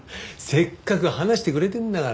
せっかく話してくれてるんだから。